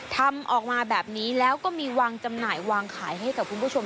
ทำออกมาแบบนี้แล้วก็มีวางจำหน่ายวางขายให้กับคุณผู้ชม